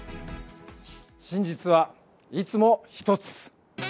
真実はいつも１つ！